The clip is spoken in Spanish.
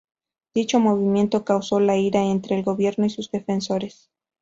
Dicho movimiento causó la ira entre el gobierno y sus defensores.